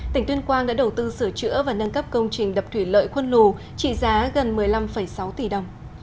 tỉnh tuyên quang đã đầu tư sửa chữa và nâng cấp công trình đập thủy lợi khuôn lù trị giá gần một mươi năm sáu tỷ đồng